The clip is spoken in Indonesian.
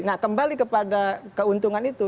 nah kembali kepada keuntungan itu